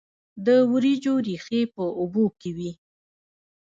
د وریجو ریښې په اوبو کې وي.